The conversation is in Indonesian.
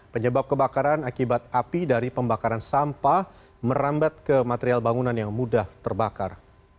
penyebab kebakaran akibat api dari pembakaran sampah merambat ke material bangunan yang mudah terbakar